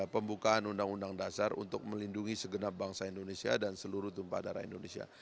pembukaan undang undang dasar untuk melindungi segenap bangsa indonesia dan seluruh tumpah darah indonesia